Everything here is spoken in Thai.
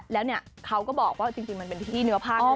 แล้วเนี่ยเขาก็บอกว่าจริงมันเป็นที่เนื้อภาคนะ